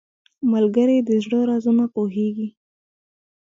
ملګری د زړه رازونه پوهیږي